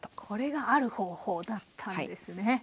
これが「ある方法」だったんですね。